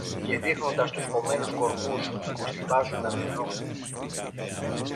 Και δείχνοντας τους κομμένους κορμούς που στοιβάζουνταν στην όχθη